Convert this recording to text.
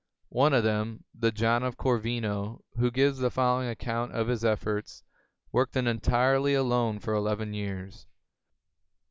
One of them, the John of Cor vino who gives the following account of his efforts, worked entirely alone for eleven years.